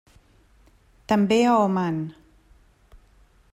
També a Oman.